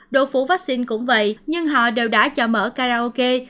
độ phủ vaccine cũng vậy nhưng họ đều đã cho mở karaoke